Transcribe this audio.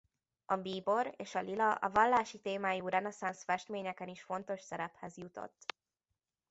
A bíbor és a lila a vallási témájú reneszánsz festményeken is fontos szerephez jutott.